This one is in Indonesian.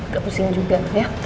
gak pusing juga ya